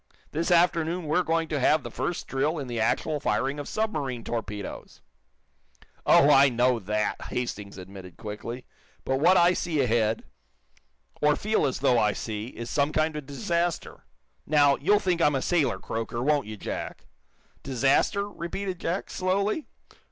This afternoon we're going to have the first drill in the actual firing of submarine torpedoes." "Oh, I know that," Hastings admitted, quickly. "But what I see ahead, or feel as though I see, is some kind of disaster. Now, you'll think I'm a sailor croaker, won't you, Jack?" "Disaster?" repeated Jack, slowly.